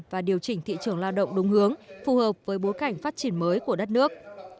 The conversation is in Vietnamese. và điều chỉnh thị trường lao động đúng hướng phù hợp với bối cảnh phát triển mới của đất nước